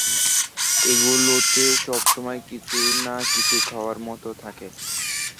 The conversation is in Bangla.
এগুলোতে সবসময়ই কিছু না কিছু খাওয়ার মতো থাকে!